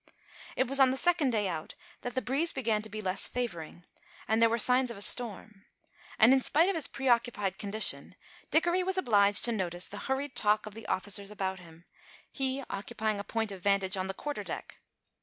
It was on the second day out that the breeze began to be less favouring, and there were signs of a storm; and, in spite of his preoccupied condition, Dickory was obliged to notice the hurried talk of the officers about him, he occupying a point of vantage on the quarter deck.